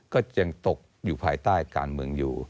ก็ยังตกอยู่ภายใต้การเมืองอยู่